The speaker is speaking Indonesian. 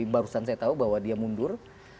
barusan saya tahu bahwa dia mundur